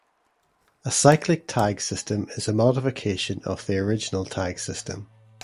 A cyclic tag system is a modification of the original tag system.